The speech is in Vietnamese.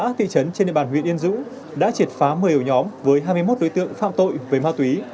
các thị trấn trên địa bàn huyện yên dũ đã triệt phá mười hồi nhóm với hai mươi một đối tượng phạm tội với ma túy